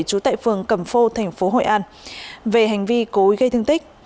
trú tại phường cầm phô thành phố hội an về hành vi cố ý gây thương tích